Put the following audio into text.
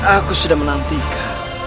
aku sudah menantikan